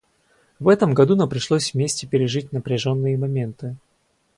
В этом году нам пришлось вместе пережить напряженные моменты.